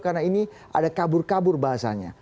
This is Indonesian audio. karena ini ada kabur kabur bahasanya